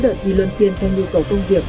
đợt đi luân phiên theo nhu cầu công việc